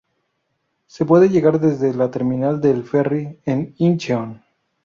Se puede llegar desde la terminal del ferry en Incheon.